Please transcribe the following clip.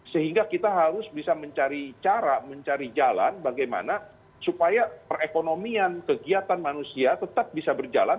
sehingga kita harus bisa mencari cara mencari jalan bagaimana supaya perekonomian kegiatan manusia tetap bisa berjalan